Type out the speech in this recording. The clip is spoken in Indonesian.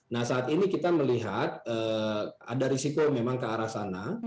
nah saat ini kita melihat ada risiko memang ke arah sana